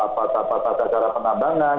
patah patah cara pengambangan